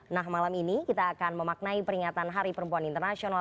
nah malam ini kita akan memaknai peringatan hari perempuan internasional